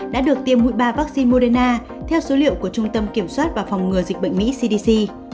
đã được tiêm mũi ba vaccine moderna theo số liệu của trung tâm kiểm soát và phòng ngừa dịch bệnh mỹ cdc